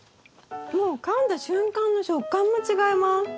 もうかんだ瞬間の食感も違います。